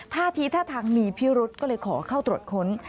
ท่าทีท่าทางมีพิรุษก็เลยขอเข้าตรวจค้น